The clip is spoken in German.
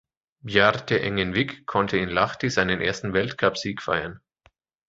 Bjarte Engen Vik konnte in Lahti seinen ersten Weltcupsieg feiern.